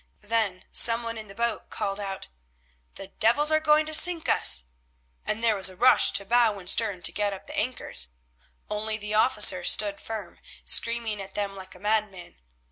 Then some one in the boat called out: "The devils are going to sink us," and there was a rush to bow and stern to get up the anchors. Only the officer stood firm, screaming at them like a madman.